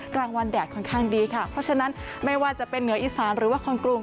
กลางวันแดดค่อนข้างดีค่ะเพราะฉะนั้นไม่ว่าจะเป็นเหนืออีสานหรือว่าคนกรุง